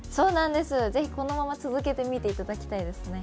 ぜひ、このまま続けて見ていただきたいです。